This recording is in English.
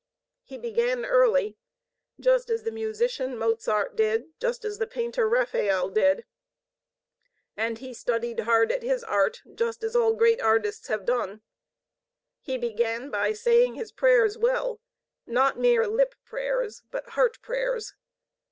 He began early, just as the musician Mozart did, just as the painter Raffaele did; and he studied hard at his art, just as all great artists have done. He began by saying his prayers well, not mere lip prayers, but heart prayers.